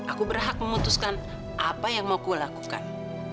aku berhak memutuskan apa yang mau kulakukan